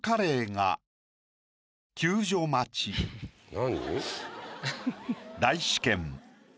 何？